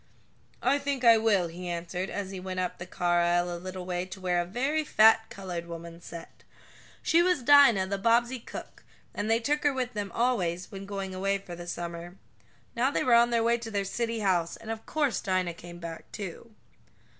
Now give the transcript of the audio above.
"I think I will," he answered, as he went up the car aisle a little way to where a very fat colored woman sat. She was Dinah, the Bobbsey cook, and they took her with them always when going away for the summer. Now they were on their way to their city house, and of course Dinah came back, too.